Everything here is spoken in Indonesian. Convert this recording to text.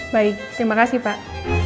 baik terima kasih pak